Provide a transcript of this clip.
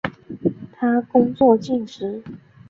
他工作尽职。